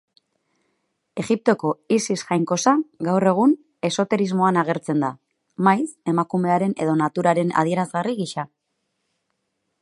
Egiptoko Isis jainkosa gaur egun esoterismoan agertzen da, maiz emakumearen edo naturaren adierazgarri gisa.